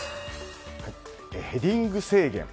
ヘディング制限。